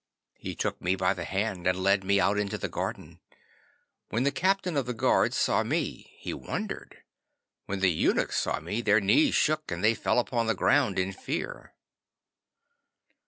'He took me by the hand, and led me out into the garden. When the captain of the guard saw me, he wondered. When the eunuchs saw me, their knees shook and they fell upon the ground in fear.